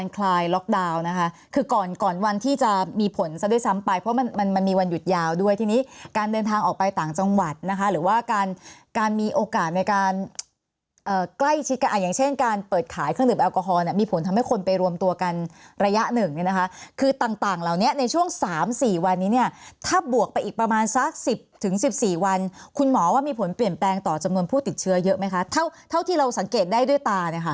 ก่อนวันที่จะมีผลซะด้วยซ้ำไปเพราะมันมีวันหยุดยาวด้วยทีนี้การเดินทางออกไปต่างจังหวัดหรือว่าการมีโอกาสในการใกล้ชิดกันอย่างเช่นการเปิดขายเครื่องดื่มแอลกอฮอล์มีผลทำให้คนไปรวมตัวกันระยะหนึ่งคือต่างเหล่านี้ในช่วง๓๔วันนี้ถ้าบวกไปอีกประมาณสัก๑๐๑๔วันคุณหมอว่ามีผลเปลี่ยนแปลงต